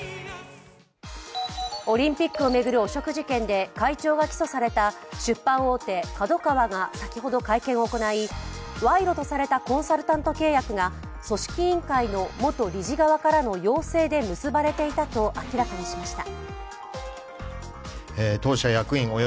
オリンピックを巡る汚職事件で会長が起訴された出版大手ＫＡＤＯＫＡＷＡが先ほど会見を行い、賄賂とされたコンサルタント契約が組織委員会の元理事側からの要請で結ばれていたと明らかにしました。